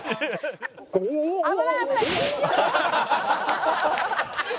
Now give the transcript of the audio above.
「危ない危ない！」